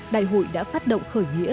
đại hội đã phát động khởi nghĩa